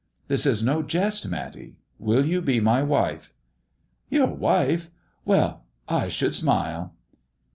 " This is no jest, Matty. Will you be my wife 1 "" Your wife ! Well, I should smile."